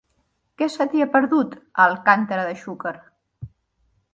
Què se t'hi ha perdut, a Alcàntera de Xúquer?